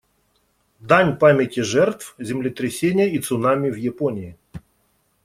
Дань памяти жертв землетрясения и цунами в Японии.